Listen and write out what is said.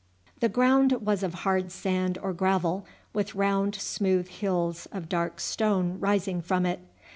The ground was of hard sand or gravel, with round smooth hills of dark stone rising from it.